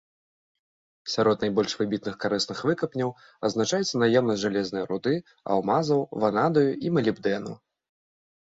Сярод найбольш выбітных карысных выкапняў адзначаецца наяўнасць жалезнае руды, алмазаў, ванадыю і малібдэну.